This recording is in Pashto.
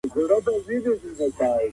دا نبات د فقر په کمولو کې مرسته کوي.